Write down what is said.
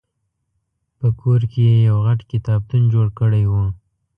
په کور کې یې یو غټ کتابتون جوړ کړی و.